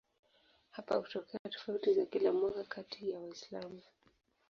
Hapa hutokea tofauti za kila mwaka kati ya Waislamu.